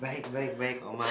baik baik baik oma